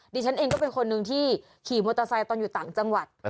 ดิฉันเองก็เป็นคนหนึ่งที่ขี่มอเตอร์ไซค์ตอนอยู่ต่างจังหวัด